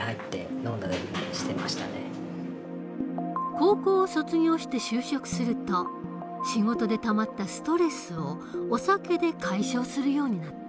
高校を卒業して就職すると仕事でたまったストレスをお酒で解消するようになった。